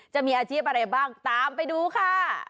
จะมีอาชีพอะไรบ้างตามไปดูค่ะ